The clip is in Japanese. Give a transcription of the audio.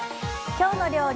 「きょうの料理」。